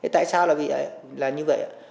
tại sao là như vậy